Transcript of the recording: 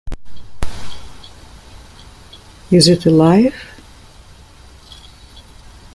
Is it alive?’